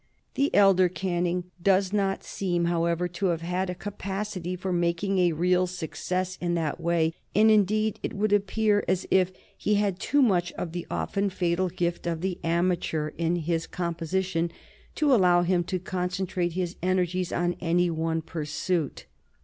The elder Canning does not seem, however, to have had a capacity for making a real success in that way, and, indeed, it would appear as if he had too much of the often fatal gift of the amateur in his composition to allow him to concentrate his energies on any one pursuit.